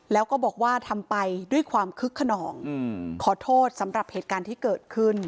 แล้วก็บอกว่าทำไปด้วยความคึกขนองขอโทษสำหรับเหตุการณ์ที่เกิดขึ้น